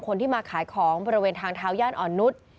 คนที่มาขายของบริเวณทางเท้าย่านอ่อนนุษย์